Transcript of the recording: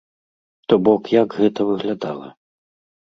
То бок як гэта выглядала?